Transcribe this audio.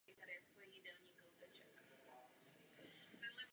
Tato smlouva však byla demokraticky odmítnuta.